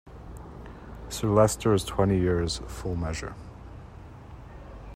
Sir Leicester is twenty years, full measure.